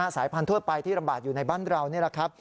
สายพันธัวไปที่ระบาดอยู่ในบ้านเรานี่แหละครับ